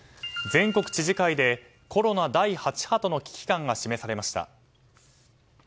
全国知事会でコロナ第８波との危機感が示されました。